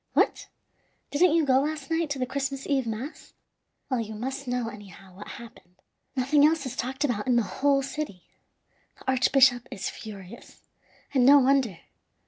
What! didn't you go last night to the Christmas Eve mass? Well, you must know, anyhow, what happened. Nothing else is talked about in the whole city. The archbishop is furious, and no wonder.